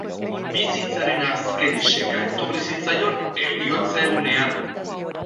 Bizitzaren azken iseka etorri zitzaion heriotza egunean.